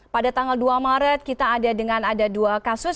pada tanggal dua maret kita ada dengan ada dua kasus